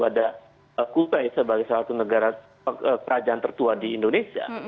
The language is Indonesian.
ada kue sebagai salah satu negara kerajaan tertua di indonesia